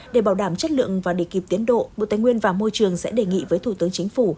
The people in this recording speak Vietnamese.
để bảo đảm chất lượng và để kịp tiến độ bộ tài nguyên và môi trường sẽ đề nghị với thủ tướng chính phủ